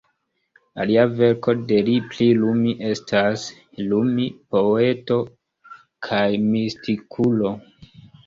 Alia verko de li pri Rumi estas: Rumi, poeto kaj mistikulo.